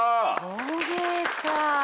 陶芸か。